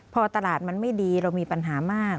พอตลาดมันไม่ดีเรามีปัญหามาก